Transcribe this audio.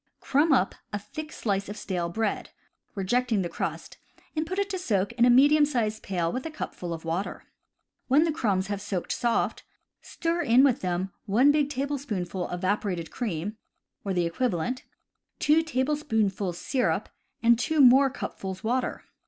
Crumb up a thick slice of stale bread, rejecting the crust, and put it to soak in a medium sized pail with a cupful of water. When the crumbs have soaked soft, stir in with them 1 big tablespoonful evaporated cream, or the equivalent, 2 tablespoonfuls syrup, and 2 more cupfuls water.